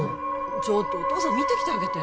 ちょっとお父さん見てきてあげて・